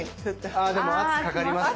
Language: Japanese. あでも圧かかりますね。